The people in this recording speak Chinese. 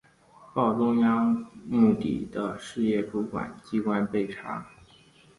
报中央目的事业主管机关备查